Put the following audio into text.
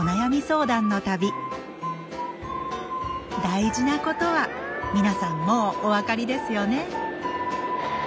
大事なことは皆さんもうお分かりですよね？